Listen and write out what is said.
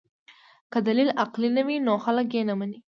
که دلیل عقلي نه وي نو خلک یې نه مني.